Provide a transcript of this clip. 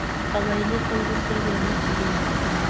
قبایلي خلکو سترګې امیر ته وې.